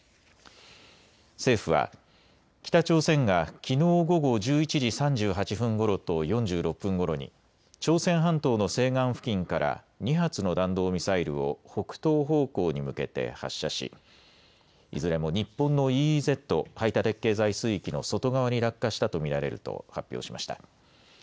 政府は北朝鮮がきのう午後１１時３８分ごろと４６分ごろに朝鮮半島の西岸付近から２発の弾道ミサイルを北東方向に向けて発射しいずれも日本のＥＥＺ・排他的経済水域の外側に落下したと見られると発表しました。